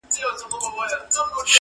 انتقام اخیستل نه بخښل یې شرط دی